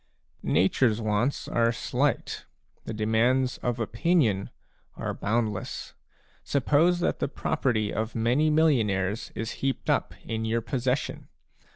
Nature's wants are slight ; the demands of opinion are boundless. Suppose that the property of many millionaires is heaped up in your possession.